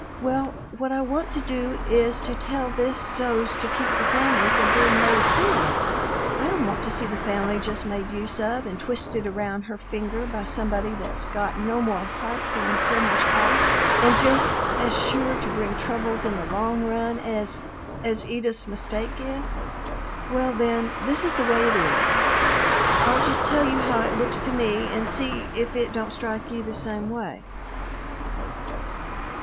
Well, what I want to do is to tell this so's to keep the family from being made a fool of. I don't want to see the family just made use of and twisted around her finger by somebody that's got no more heart than so much ice, and just as sure to bring troubles in the long run as as Edith's mistake is. Well, then, this is the way it is. I'll just tell you how it looks to me and see if it don't strike you the same way."